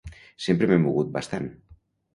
Sempre m’he mogut bastant.